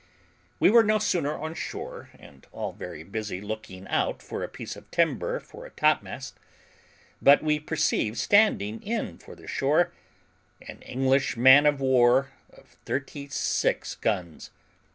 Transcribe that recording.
We were no sooner on shore here, and all very busy looking out for a piece of timber for a topmast, but we perceived standing in for the shore an English man of war of thirty six guns.